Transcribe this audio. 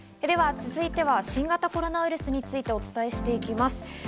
では続いては新型コロナウイルスについてお伝えしていきます。